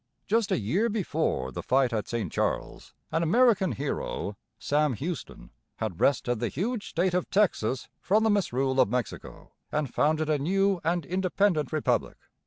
Just a year before the fight at St Charles, an American hero, Sam Houston, had wrested the huge state of Texas from the misrule of Mexico and founded a new and independent republic.